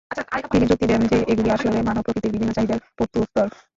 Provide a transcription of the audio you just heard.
তিনি যুক্তি দেন যে এগুলি আসলে মানব প্রকৃতির বিভিন্ন চাহিদার প্রত্যুত্তর।